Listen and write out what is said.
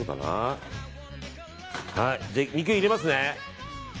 肉、入れますね。